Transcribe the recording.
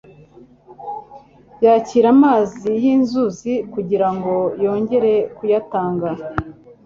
yakira amazi y'inzuzi kugira ngo yongere kuyatanga.